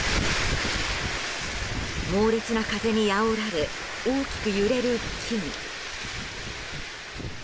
猛烈な風にあおられ大きく揺れる木々。